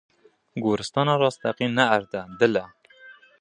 Goristana rasteqîn ne erd e, dil e.